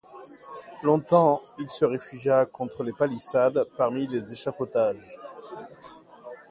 Longtemps, il se réfugia contre les palissades, parmi les échafaudages.